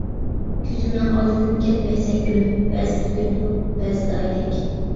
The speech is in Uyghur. كۆزۈمنىڭ ئالدىدىن كەتمەيسەن گۈلۈم، بەزىدە گۈل بولۇپ، بەزىدە ئايدەك.